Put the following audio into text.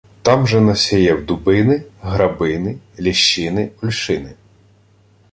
Там же насєяв дубини, грабини, лєщини, ольшини.